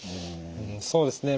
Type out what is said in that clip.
そうですね。